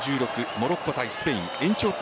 モロッコ対スペイン延長後